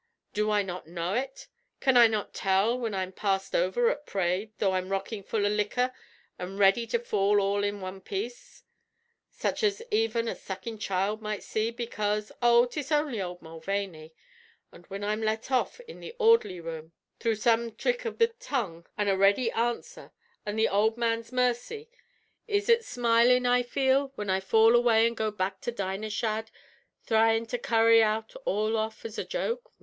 Do I not know ut? Can I not tell whin I'm passed over at p'rade, tho' I'm rockin' full av liquor an' ready to fall all in wan piece, such as even a suckin' child might see, bekase, 'Oh, 'tis only ould Mulvaney!' An' whin I'm let off in the ord'ly room, through some thrick av the tongue an' a ready answer an' the ould man's mercy, is ut smilin' I feel whin I fall away an' go back to Dinah Shadd, thryin' to carry ut all off as a joke?